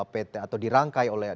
pt atau dirangkai oleh